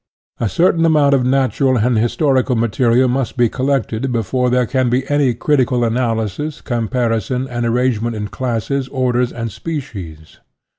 A certain amount of natural and historical material must be collected before there can be any critical analysis, comparison, and arrange ment in classes, orders, and species.